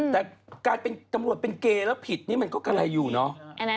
แต่กลายเป็นตำรวจเป็นเกย์แล้วผิดนี่มันก็กะไรอยู่เนาะ